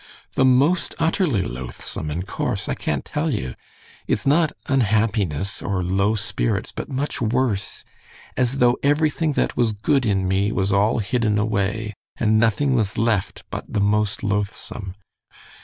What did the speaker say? "The most utterly loathsome and coarse: I can't tell you. It's not unhappiness, or low spirits, but much worse. As though everything that was good in me was all hidden away, and nothing was left but the most loathsome.